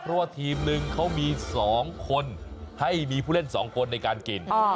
เพราะว่าทีมนึงเขามี๒คนให้มีผู้เล่น๒คนในการกิน